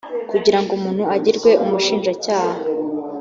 kugira ngo umuntu agirwe umushinjacyaha